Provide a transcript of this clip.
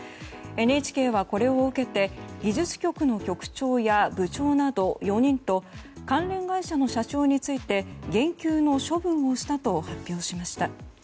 ＮＨＫはこれを受けて技術局の局長や部長など４人と関連会社の社長について減給の処分をしたと発表しました。